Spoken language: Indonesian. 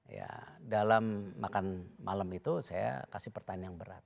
ya dalam makan malam itu saya kasih pertanyaan yang berat